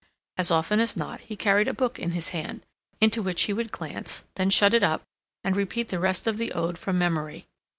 As often as not, he carried a book in his hand, into which he would glance, then shut it up, and repeat the rest of the ode from memory.